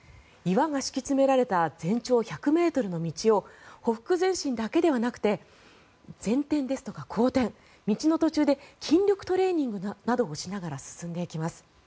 岩が敷き詰められた全長１００ｍの道をほふく前進だけではなくて前転ですとか後転道の途中で筋力トレーニングなどをしながら進んでいきます。